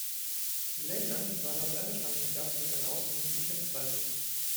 Leyland war damit einverstanden und begab sich auf eine ausgedehnte Geschäftsreise.